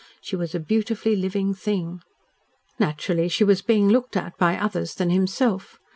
She was a beautifully living thing. Naturally, she was being looked at by others than himself.